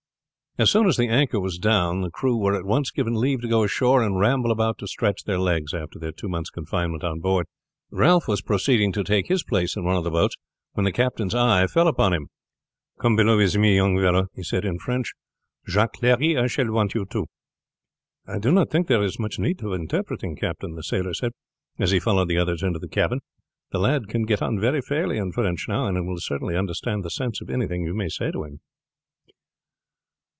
As soon as the anchor was down the crew were at once given leave to go ashore, and ramble about to stretch their legs after their two months' confinement on board. Ralph was proceeding to take his place in one of the boats when the captain's eye fell upon him. "Come below with me, young fellow," he said in French. "Jacques Clery, I shall want you too." "I do not think there is much need of interpreting, captain," the sailor said, as he followed the others into the cabin. "The lad can get on very fairly in French now, and will certainly understand the sense of anything you may say to him."